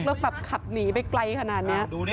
แล้วแบบขับหนีไปไกลขนาดนี้